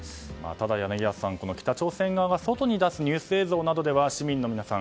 ただ柳谷さん、北朝鮮側は外へ出すニュース映像には市民の皆さん